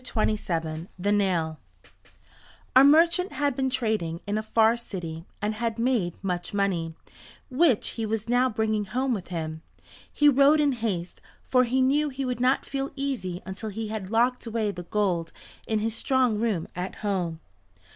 THE NAIL A merchant had been trading in a far city and had made much money, which he was now bringing home with him. He rode in haste, for he knew he would not feel easy until he had locked away the gold in his strong room at home.